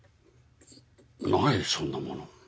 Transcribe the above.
ないそんなもの。